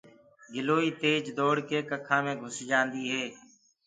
گِلوئي تيج دوڙ ڪي ڪکآ مي گھُس جآنديٚ هي۔